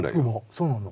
そうなの。